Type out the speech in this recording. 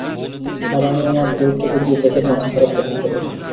আর আমি আমার ধূর্ততা দিয়ে তাদের মাথা খারাপ করে দিতে পারি।